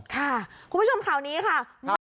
คุณผู้ชมข่าวนี้ค่ะ